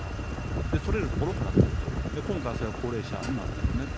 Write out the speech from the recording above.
取れるところから取ると、今度はそれが高齢者になったよねと。